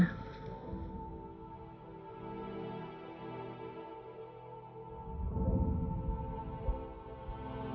lalu mama menikah